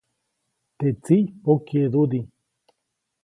Teʼ tsiʼ pokyeʼdudi.